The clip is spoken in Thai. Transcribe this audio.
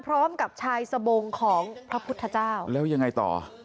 พร้อมกับชายสบงของพระพุทธเจ้าแล้วยังไงต่อ